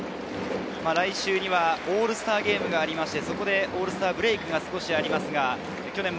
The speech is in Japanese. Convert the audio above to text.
来週にはオールスターゲームがあって、オールスターブレークが少しあります。